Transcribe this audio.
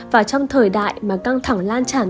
và trong thời đại mà căng thẳng lan tràn